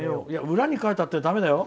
裏に書いたってだめだよ！